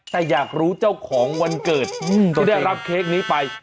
แต่อยากรู้เจ้าของวันเกิดที่ได้รับเค้กนี้ไป